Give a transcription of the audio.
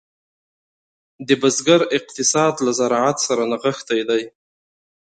د بزګر اقتصاد له زراعت سره نغښتی دی.